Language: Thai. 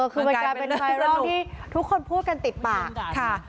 คือมันกลายเป็นร่อยล่างที่ทุกคนพูดกันติดป่า